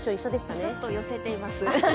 ちょっと寄せています。